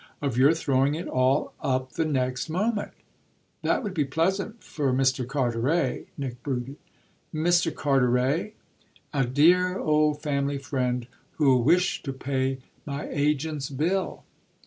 "Of your throwing it all up the next moment." "That would be pleasant for Mr. Carteret," Nick brooded. "Mr. Carteret ?" "A dear old family friend who'll wish to pay my agent's bill."